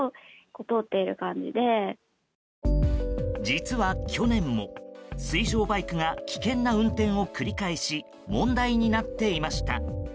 実は、去年も水上バイクが危険な運転を繰り返し問題になっていました。